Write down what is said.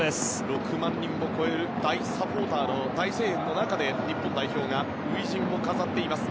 ６万人を超える大サポーターの大声援の中日本代表が初陣を飾っています。